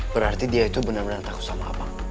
berarti dia itu bener bener takut sama abang